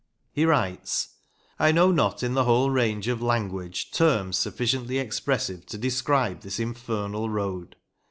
He writes: I know not in the whole range of language terms sufficiently expressive to describe this infernal road.